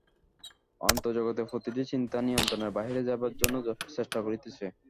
অন্তর্জগতে প্রতিটি চিন্তা নিয়ন্ত্রণের বাহিরে যাইবার জন্য চেষ্টা করিতেছে।